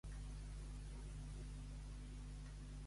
L'amor primera és la més ferma.